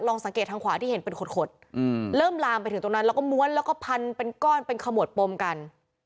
สังเกตทางขวาที่เห็นเป็นขดเริ่มลามไปถึงตรงนั้นแล้วก็ม้วนแล้วก็พันเป็นก้อนเป็นขมวดปมกัน